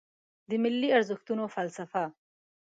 د ملي ارزښتونو فلسفه